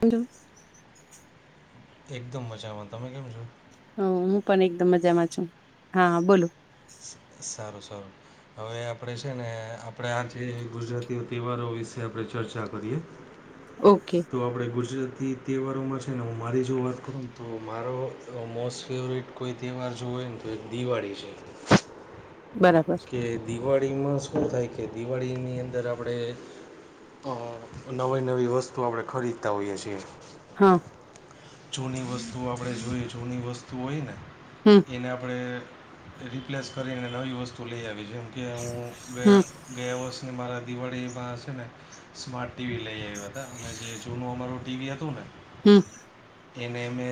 Hello એકદમ મજામાં તમે કેમ છો હ હું પણ એકદમ મજામાં છું હા બોલો સારું સારું હવે આપણે છે ને આપણે આ જે ગુજરાતીઓ તહેવારો વિશે આપણે ચર્ચા કરીએ. ઓકે તો આપણે ગુજરાતી તહેવારોમાં છે ને હું મારી જો વાત કરું તો મારો મોસ્ટ ફેવરેટ કોઈ તહેવાર જો હોય ને તો એક દિવાળી છે બરાબર. કે દિવાળીમાં શું થાય કે દિવાળીની અંદર આપણે નવી નવી વસ્તુ આપણે ખરીદતા હોઈએ છીએ હા જૂની વસ્તુ આપણે જોઈએ જૂની વસ્તુ હોય ને હમ એને આપણે રિપ્લેસ કરીને નવી વસ્તુ લઈ આવી જેમ કે હું બે હમ ગયા વર્ષની મારા દિવાળીમાં હશે ને સ્માર્ટ ટીવી લઈ આવ્યા હતા અનેમે જે જૂનું અમારું ટીવી હતું ને હમ એને એમે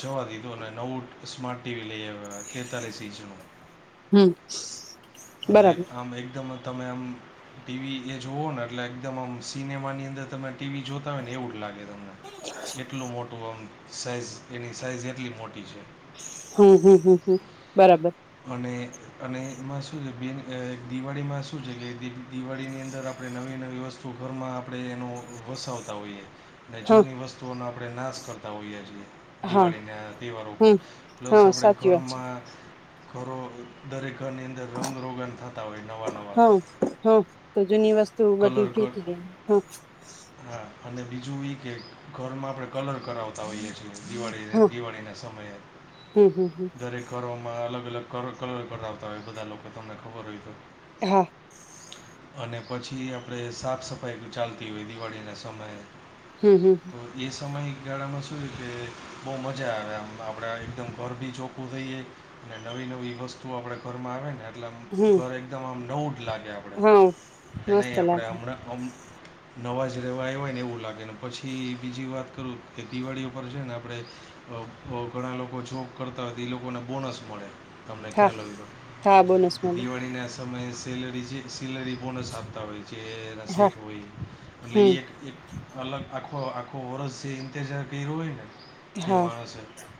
જવા દીધું અને નવું સ્માર્ટ ટીવી લઈ આવ્યા પ તેતાલીસઈંચ નું હમ એટલે બરાબર આમ એકદમ તમે આમ ટીવી એ જોવો ને એટલે એકદમ આમ સિનેમા ની અંદર તમને ટીવી જોતા હોય ને એવું જ લાગે છે એટલું મોટું આમ સાઈઝ એની સાઈઝ એટલી મોટી છે હમ હમ હમ હમ બરાબર અને અને એમાં શું છે બે દિવાળીમાં શું છે કે દિવાળીની અંદર આપણે નવી નવી વ્યવસ્તૂ શ ઘરમાં આપણે એનો વસ આવતા હોઈએ અને હા જૂની વસ્તુઓનો આપણે નાશ કરતા હોઈએ છીએ હા દિવાળીના તહેવારો પર હમ પ્લસ હા આપણે સાચી વાત છે ઘરમાં કરો દરેકનીંદ રંગરોગણ થતા હોય નવા નવા હા હા તો જૂની વસ્તુ બધી કલર કર ફેકી દે હા હા અને બીજું એ કે ઘરમાં આપણે કલર કરાવતા હોઈએ છીએ દિવાળી હા દિવાળી ના સમયે હમ હમ હમ દરેક ઘરોમાં અલગ અલગ ક કરડ આવતા હોય બધા લોકો તમને ખબર હોય તો હા અને પછી આપણે સાફ સફાઈ ચાલતી હોય દિવાળીના સમયે હમ હમ તો એ સમય ગાળામાં શું છે કે બહુ મજા આવે આમ આપણે એકદમ ઘર બી ચોખ્ખું થઈએ નવી નવી વસ્તુ આપડે ઘરમાં આવે ને એટલે હમ ઘર એકદમ આમ નવું જ લાગે આપ આપ હા એ ન મસ્ત આપણે લાગે હમણાંમ નવા જ રહેવા એ હોય ને એવું લાગે ને પછી બીજી વાત કરું કે દિવાળી પરર છે ને આપણે ઘણા લોકો જોબ કરતા હતા એ લોકોને બોનસ મળે તમને હા ખ્યાલ આવ હતો હા બોનસ કે મળે દિવાળીના સમયે સેલરી જે સેલરી બોનસ આપતા હોય જે એના હા સેટ હોય એટલે હમ એ એક એક અલગ આખો આખો વર્ષ જે ઇતેજાર કર્યો હોય ને છે હા માણસ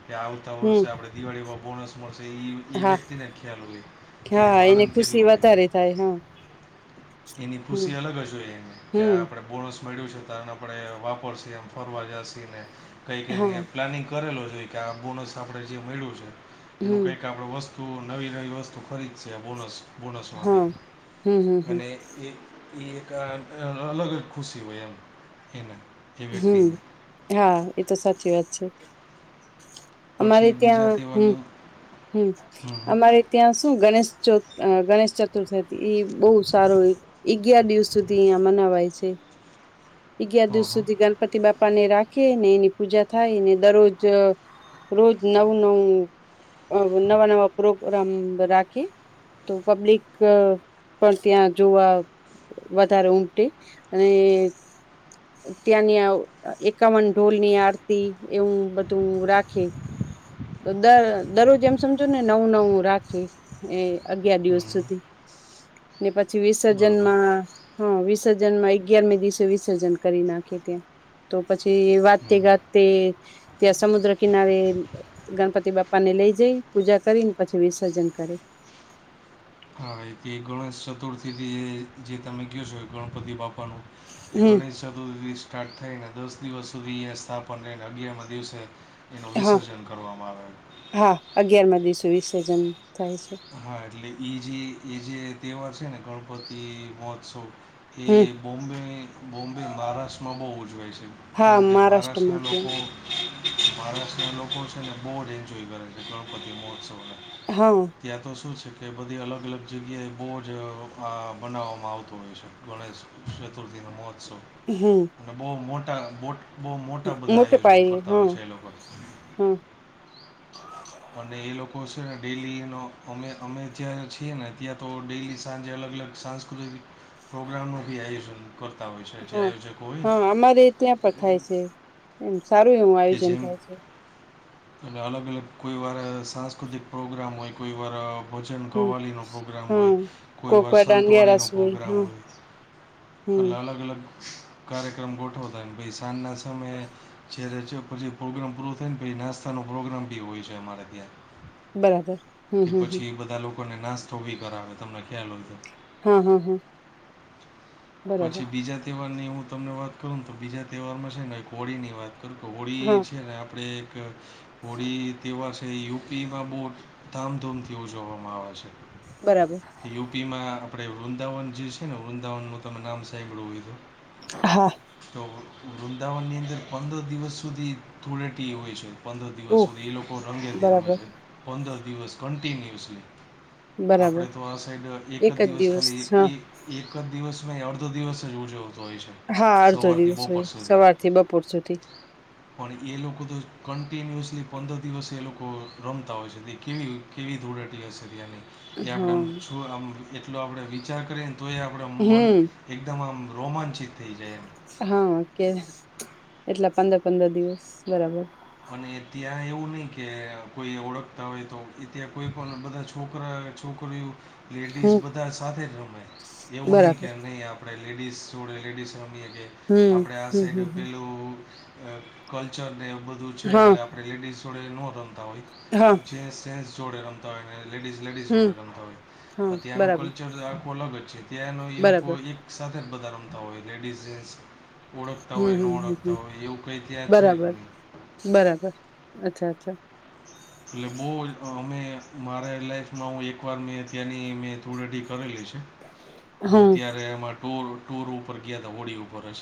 કે આવતા હમ વર્ષે આપણે દિવાળીમાં બોનસ મળશે એ એ હા વ્યક્તિને ખ્યાલ હોય કે એનો હા એને આનંદ ખુશી કેટલો હોય વધારે થાય હા એની હમ ખુશી અલગ જ હોય એને કે હમ આ આપડણે બોનસ મળ્યું છે તો આપ વાપરશ એમ ફરવા જશ ને કઈ ક હા પ્લાનિંગ કરેલો જોઈ કે આ બોનસ આપણે જે મળ્યું છે એનું હમ કંઈક આપણે વસ્તુ તુ નવી નવી વસ્તુ ખરીદશે બોનસ હા બોનસમાંથી હમ હમ હમ અને એ એ એક અલગ જ ખુશી હોય એમ એને એ હમ વ્યક્તિને હા એતો સાચી વાત છે અમારે પછી બીજા ત્યાં હમ તહેવારની હમ હં હં અમારે ત્યાં શું ગણેશ ગણેશ ચતુર્થથી બહુ સારું અગિયાર દિવસ સુધી અહં મનાવાય છે [inaudible] અગિયાર હં દિવસ હં સુધી ગણપતિ બાપા ને રાખે ને એની પૂજા થાયને દરરોજ રોજ નવું નવું નવા નવા પ્રોગ્રામ રાખી તો પબ્લિક પણ ત્યાં જોવા વધારે ઉમટે અને ત્યાંની એકાવન ઢોલ ની આરતી એવું બધું રાખે તો દર દરરોજ એમ સમજો ને નવું નવું રાખે એ અગિયાર દિવસ હં સુધી ને પછી બરાબર વિસર્જનમાં હા વિસર્જન માં અગિયારમી દિવસે વિસર્જન કરી નાખ ત તો પછી વાતતે હં ગાજતે ત્યાં સમુદ્ર કિનારે ગણપતિ બાપા ને લઈ જઈ પૂજા કરીને પછી વિસર્જન કરી હા તે ગણેશ ચતુર્થી જે તમે કહ છો ગણપતિ બાપાનું હમ એકણીસ ચતુર્થીથી સ્ટાર્ટ થઈને દસ દિવસ સુધી અયા સ્થાપન થને અગિયાર માં દિવસે એનું હા વિસર્જન કરવામાં આવે હા અગિયાર માં દિવસ વિસર્જન થાય છે હા એટલે એ જે એ જે તહેવાર છે ને ગણપતિ મહોત્સવ એ હમ બોમ્બે બોમ્બે મહારાષ્ટ્રમાં બહુ ઉજવાય છે હા કારણ કે મહારાષ્ટ્રમાં મહારાષ્ટ્રના ત્યાં લોકો મહારાષ્ટ્રના લોકો છે ને બહુ જ એન્જોય કરે છે ગણપતિ મહોત્સવને હા ત્યાં તો શું છે કે બધી અલગ અલગ જગ્યાએ બહુ જ આ બનાવવામાં આવતું હોય છે ગણેશ ચતુર્દીનો મહોત્સવ હમ અને બહુ મોટા બહુ મોટા બધા મોટે આયોજન પાયે કરતા હા હોય છે એ લોકો હા અને એ લોકો છે ને ડેલીનો અમે અમે ત્યાં છીએ ને ત્યાં તો ડેલી સાંજે અલગ અલગ સાંજ સુૂ પ્રોગ્રામ બી આયોજન કરતા હોય છે જે હા આયોજકો હોય ને હા અમારે ત્યાં પણ થાય છે એમ સારું એવું આયોજન થાય છે અને અલગ અલગ કોઈ વાર સાંસ્કૃતિક પ્રોગ્રામ હોય કોઈ વાર ભજન હમ કવાલીનો પ્રોગ્રામ હોય હમ કોઈ કોકવાર દાંડિયા રાસ વરસંતવાણીનો પ્રોગ્રામ હા હોય હમ અ અલગ અલગ કાર્યક્રમ ગોઠવતા ભ સાંજના સમયે જ્યારે છે પછી પ્રોગ્રામ પૂરો થઈ ને પછી નાસ્તાનો પ્રોગ્રામ બી હોય છે અમારે ત્યાં બરાબર હમ કે હમ હમ પછી એ બધા લોકોને નાસ્તો ભી કરાવે તમને ખ્યાલ હોય તો હા હા હા પછી બરાબર બીજા તહેવારની હું તમને વાત કરું તો બીજા તહેવારમાં છે ને કો હોળી ની વાત ું કે હા હોળી છે ને આપણે એક હોળી તેવા છે યુપીમાં બહુ ધામધૂમથી ઉજવવામાં આવે છે બરાબર યુપી માં આપડે વૃંદાવન જે છે ને વૃંદાવન નું તને નામ સાંભવું હોય તો હા તો વૃંદાવનની અંદર પંદર દિવસ સુધી ધૂળેટી હોય છે પંદર દિવસ ઓહ સુધી એ લોકો રંગેથી રમે બરાબર છે પંદર દિવસ કન્ટિન્યુઅસલી આપણે બરાબર તો આ સાઈડ એક જ દિવસ ખાલી એ એક જ દિવસ મે અડધો દિવસ જ ઉવું જોવતો હોય છે હા અડધો સવારથી દિવસ હોય બપોર સુધી સવારથી બપોર સુધી પણ એ લોકો તો કન્ટિન્યુઅસલી પંદર દિવસે એ લોકો રમતા હોય છે તે કેવી કેવી ધૂળેટી હશે તે્યાની એ આપણે હા આમ છું આમ એટલો આપણે વિચાર કરીએ ને તો એ આપણે મન હમ એકદમમ રોમાચીિત થઈ જય હા કે એટલા પંદર પંદર દિવસ બરાબર અને ત્યાં એવું નહ કે કોઈ ઓળખતા હોય તો એ ત્યાં કોઈ પણ બધા છોકરા છોકરીઓ લેડીઝ હમ બધા સાથે જ રમે એવો નહીં કે બરાબર નહી આપ આપણે લેડીઝ જોડે લેડીઝ રમીએ કે હમ આપણે આ હમ સાઈડ હમ પેલું કલ્ચરને એ બધું છે હમ હા એટલે આપણે લેડીઝ જોડે ન રમતા હોઈએ હા જેેન્ટસ જોડે રમતા હોય ને લેડીઝ લેડીઝ હમ જોડે રમતા હોય. હા ત્યાંનું બરાબર કલ્ચર આખું અલગ જ છે ત્યાંનો એ લોકો બરાબર એક એક સાથે જ બધા રમતા હોય લેડઝ જન્સ ઓળખતા હમ હોય ન હમ હમ ઓળખતા હમ હોય એવું કઈ ત્યાં છે જ બરાબર નહી. બરાબર અચ્છા અચ્છા એટલે બહુ અમે મારે લાઈફમાં હું એકવાર મેં ત્યાંની મેં થુરેડી કરેલી છે. અમે હમ ત્યારે એમાં ટોર ટોર ઉપર ગયા હતા હોડી ઉપર રજ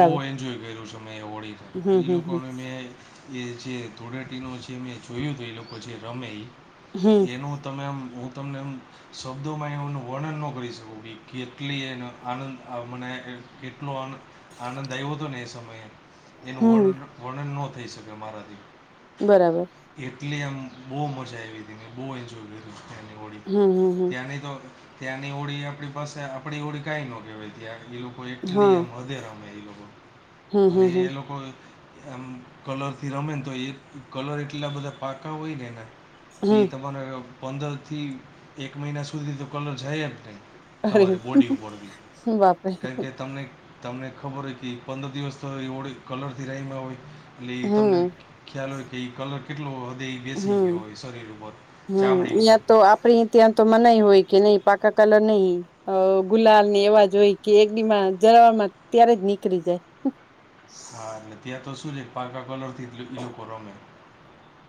બહુ એન્જોય કર્યું છે મેમે હોળી તો હમ એ હમ હમ લોકોને મેં એ જે ધૂળેટીનો જે મેં જોયું હતું એ લોકો જે રમે હમ એનો ઉત્તમમ ઉત્તમ એમ શબ્દોમાં એનું વર્ણન ન કરી શકોું કે કેટલી એનો આનંદ મને કેટલો આનંદ આવ્યો હતો ને એ સમયે એનું વન હમ વર્ણન ન થઈ શકે મારાથી બરાબર એટલે આમ બહુ મજા આવી હતીને બહુ એન્જોય કર તું તની હોળી હમ હમ હા ત્યાંની તો ત્યાંની હોળી આપણી પાસે આપડી હોળી કઈ ન કેહેવાય ત્યાં હુ એટલી હા હદે રહેલો હમ હમ અને હમ લોકો એમ કલર થી રમે ને તો એ કલર એટલા બધા પાકા હોય ને એ હમ તમને અને પંદરથી એક મહિના સુધી તો કલર જાય એમ નહીં. અરે તમારી બોડી ઉપરથી બાપરે કારણકે તમને તમને ખબર હોય કે પંદર દિવસ તો એ ઓળ કલરથી રમાં હોય એટલે એ તમને હમ ખ્યાલ હોય કે એ કલર કેટલો હદે એ બેસી ગયો હમ હોય શરીર ઉપર ચામડી ઉપર પ્રિ ત્યાં તો મ નાહી હોય કે નહી પાકા કલ નહીં. અ ગુલાલ ની એવાજ હોય કે એકડીમા જરવામાં ત્યારે જ નીકળી જાય. હા એટલે ત્યાં તો શું છે પાકા કલરથી એ લોકો રમે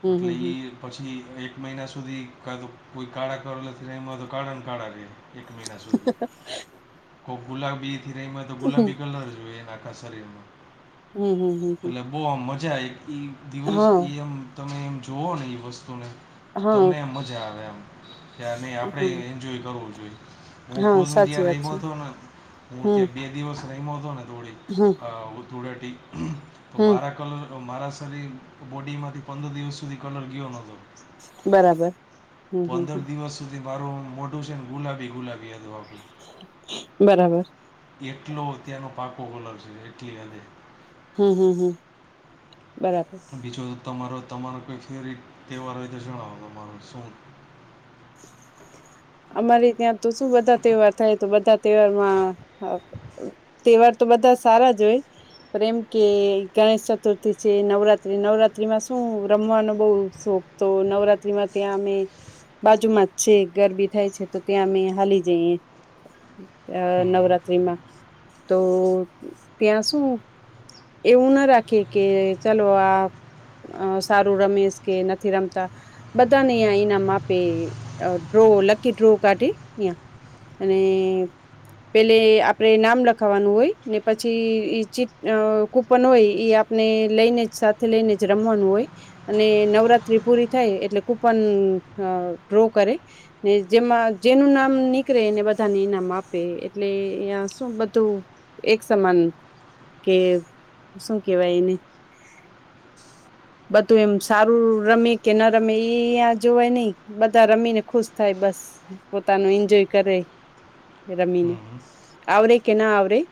હમ હમ એટલી હમ પછી એક મહિના સુધી કા તો કોઈ કાળા કરો નથીને એમાં તો કાળાને કાળા રહેે એક મહિના સુધી ખૂબ ગુલાબબીથી રેમત તો ગુલાબી કલર જોઈએ એને આખા શરીર હમ હમ હમ હમ બહુ આમ મજા એ દિવસ હા એ એમ તમે એમ જોુઓ ને એ વસ્તુને હા તમને એમ મજા આવે એમ કેાર નહીં આપણે હા એન્જોય કરવું જોઈએ. હું હા ખુદ હું સાચી ત્યાં વાત રમ્યો છે હતો ને હું ત્યાં બે દિવસ રમ્યો હતો ને થોડીે હા ધૂળેટી તો મારા કલર મારા શરીર બોડીમાંથી પંદર દિવસ સુધી કલર ગયો નતો બરાબર હમ હમ પંદર હમ દિવસ સુી મારું મોટું છે ને ગુલાબી ગુલાબી હતું આખુ બરાબર એટલો ત્યાંનો પાકો કલર છે એટલી હદે હમ હમ હમ બરાબર બીજો તમારો તમારો કોઈ ફેવરિટ તહેવાર હોય તો જણાવો તમારો શું? અમારે ત્યાં તો શું બધા તહેવાર થાય તો બધા તહેવાર માં તહેવાર તો બધા સારા જ હોય. પણ એમ કે ગણેશ ચતુર્થી છે નવરાત્ર્રી નવરાત્રીમાં શું રમવાનો બઉ શોખ તો નવરાત્રીમાં ત્યાં અમે બાજુમાં જ છે ગરબી થાય છે તો ત્યાં અમે હાલી જઈએ હમ નવરાત્ર્રીમાં તો ત્યાં શું. એવું ના રાખે કે ચાલો આ અ સારુ રમીશ કે નથી રમતા બધાને ઈયા ઇનામ આપે ડ્રો લકી ડ્રો કાઢીં ઈયા અને પેલે આપડે નામ લખાવાનું હોય ને પછી એ ચી અ કૂપન હોય એ આપને લઈને જ સાથે લઈને જ રમવાનું હોય અને નવરાત્રી પૂરી થાય એટલે કુપન અ ડ્રો કરે. ને જેમાં જેનું નામ નીકળે એને બધાને ઈનામ આપે એટલે અ શું બધું એક સમાન કે શું કેવાય એને [unintelligible] બધું એમ સારું રમે કે ના રમે એ જોય નઈ બધા રમી ને ખુશ થાય બસ પોતાનો એન્જોય કરે રમીને હમ આવરે કે ના આવરેે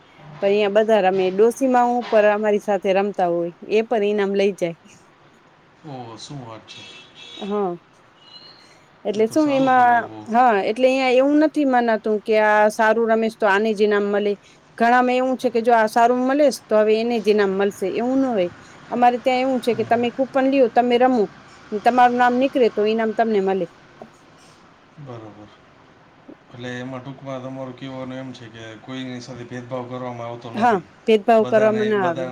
પણ અહીંયા બધા રમે ડોસી માઉ પણ અમારી સાથે રમતા હોય એ પણ ઈનામ લઈ જાય ઓ શું વાત છે. હા એ તો સારું કહેવાય બહુ. હ એટલે અહીંયા એવું નથી મનાતું કે આ સારું રમીશ તો આને જ ઈનામ મળે. ઘણામાં એવું છે કે જો આ સારું મળેસ તો હવે એને જનામ મળશે એવું ન હોય અમારે ત્યાં એવું છે કે તમે કુપન લીઓ તમે રમો તમારું નામ નીકળે તો ઈ નામ તમને મળે. હ બરાબર [unintelligible] એટલે એમાં ટૂંકમાં તમારું કેવાનું એમ છે કે કોઈની સાથે ભેદભાવ કરવામાં આવ હા ભેદભાવ કરવામાં ના આવે.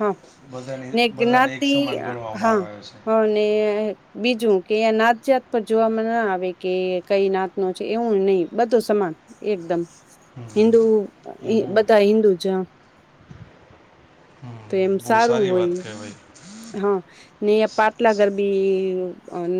હા બધાને ને બધાને એક જ્ઞાતિ સમાન ગણવામાં હા આવે છે હા ને. બીજું કે અંયા નાત જાત પર જોવામાં ના આવે કે કઈ નાત ન છે એવું નહી બધો સમાન એકદમ હિન્દુ હમ એ બહુ બધાય હિન્દુ જ તો હમ એ એમ બહુ સારું સારી વાત હોય. કહેવાય હા ને સ- પાટલા સ- ગરબી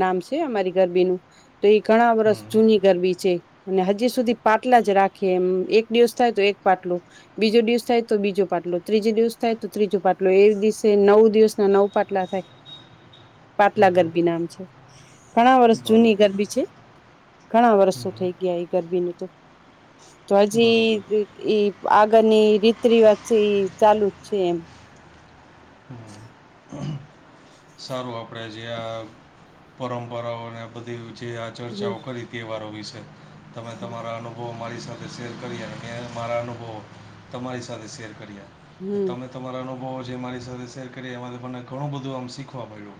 નામ છે અમારી ગરબીનું તો એ ઘણા હમ વષૅ જૂની ગરબી છે. અને હજી સુધી પાટલા જ રાખે એમ એક દિવસ થાય તો એક પાટલો બીજો દિવસ થાય તો બીજો પાટલો ત્રીજો દિવસ થાય તો ત્રીજો પાટલો એક દિવસે નવ દિવસ નવ પાટલા થાય પાટલા હમ ગરબી નામ છે. ઘણા વર્ષ જૂની બરાબર ગરબી છે ઘણા વર્ષો થઈ હમ ગયા એ ગરબીની ને તો તો હજી બરાબર એ આગળની રીત રિવાજ છે એ ચાલુ જ છે એમ હમ સારું આપણેે જે આ પરંપરાઓને બધી જે આ હમ ચર્ચાઓ કરી તહેવારો વિશે તમે તમારા અનુ હો મારી સાથે શેર કરી મે મારા અનુભવો તમારી સાથે શેર કરીએ હમ તમે તમારા અનુભવો જે મારી સાથે શેર કરી એમાંથી તમને ઘણું બધું આમ શીખવા મળ્યું.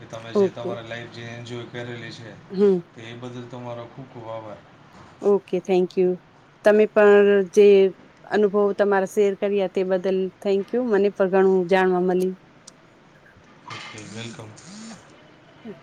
કે તમે જે તમારી લાઈફ જે એન્જોય કરેલી છે. હું તો એ બદલ તમારો ખૂબ ખૂબ આભાર. ઓકે થેન્ક્યુ તમે પણ જે. અનુભવ તમારા શેર કર્યા તે બદલ થેન્ક્યુ મને પણ ઘણું જાણવા મળ્યું. વેલકમ અચ